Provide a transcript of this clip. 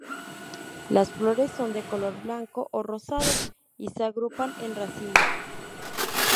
Las flores son de color blanco o rosado y se agrupan en racimos.